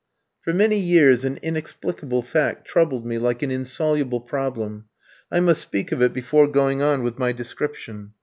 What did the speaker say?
For many years an inexplicable fact troubled me like an insoluble problem. I must speak of it before going on with my description.